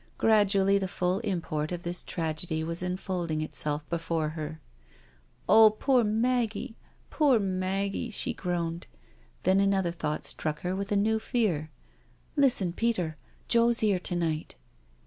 Gradually the full import of .this tragedy was unfolding itself before her. " Oh, poor Maggie—poor Maggie/' she groaned. Then another thought struck her with a new fear :" Listen, Peter — Joe's here to night."